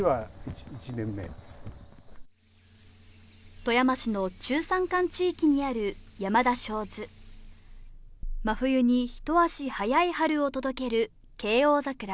富山市の中山間地域にある山田清水真冬にひと足早い春を届ける啓翁桜